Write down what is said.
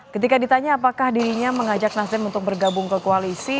ketika ditanya apakah dirinya mengajak nasdem untuk bergabung ke koalisi